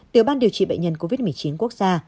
tiểu ban điều trị bệnh nhân covid một mươi chín quốc gia